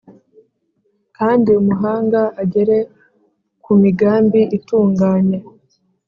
, Kandi umuhanga agere ku migambi itunganye